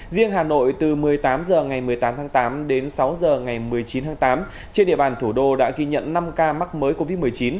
riêng hà nội từ một mươi tám h ngày một mươi tám tháng tám đến sáu h ngày một mươi chín tháng tám trên địa bàn thủ đô đã ghi nhận năm ca mắc mới covid một mươi chín